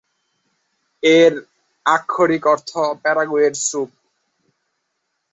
এর আক্ষরিক অর্থ "প্যারাগুয়ের স্যুপ"।